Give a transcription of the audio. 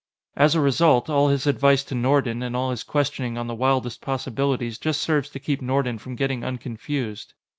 As a result, all his advice to Nordon, and all his questioning on the wildest possibilities, just serves to keep Nordon from getting unconfused.